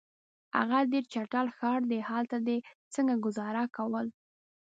هغه ډېر چټل ښار دی، هلته دي څنګه ګذاره کول؟